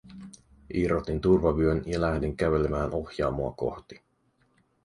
Irrotin turvavyön ja lähdin kävelemään ohjaamoa kohti.